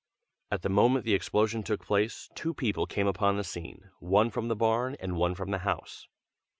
At the moment the explosion took place, two people came upon the scene, one from the barn and one from the house.